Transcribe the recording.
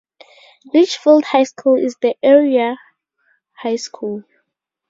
Litchfield High School is the area high school.